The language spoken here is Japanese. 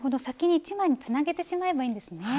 先に１枚につなげてしまえばいいんですね。